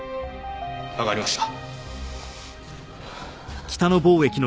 わかりました。